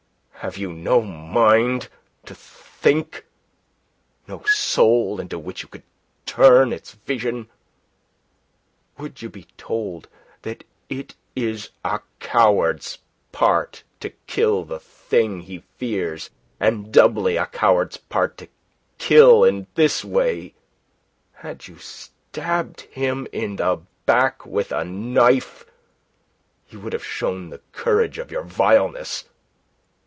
Have you no mind to think, no soul into which you can turn its vision? Must you be told that it is a coward's part to kill the thing he fears, and doubly a coward's part to kill in this way? Had you stabbed him in the back with a knife, you would have shown the courage of your vileness.